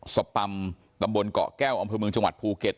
สปำตำบลเกาะแก้วอำเภอเมืองจังหวัดภูเก็ต